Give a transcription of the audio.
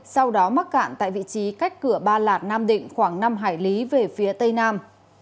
sau đó mắc cạn tại vị trí cách cửa ba lạt nam định khoảng năm hải lý về phía tây nam